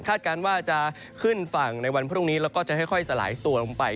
การว่าจะขึ้นฝั่งในวันพรุ่งนี้แล้วก็จะค่อยสลายตัวลงไป